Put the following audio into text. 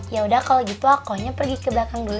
ya udah kalau gitu aku hanya pergi ke belakang dulu yuk